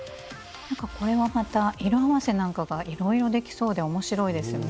これはまた色合わせなんかがいろいろできそうで面白いですよね。